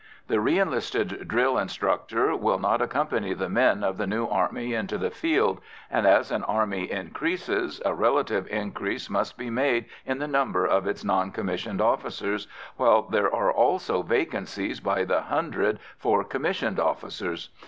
The re enlisted drill instructor will not accompany the men of the new army into the field, and, as an army increases, a relative increase must be made in the number of its non commissioned officers, while there are also vacancies by the hundred for commissioned officers.